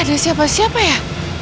gue cuma ini doang ya